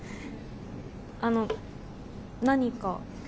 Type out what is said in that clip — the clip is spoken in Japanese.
あの何か？